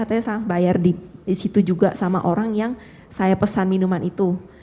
saya bayar di situ juga sama orang yang saya pesan minuman itu